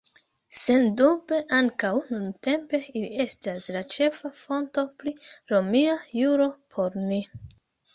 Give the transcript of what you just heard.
Sendube ankaŭ nuntempe ili estas la ĉefa fonto pri romia juro por ni.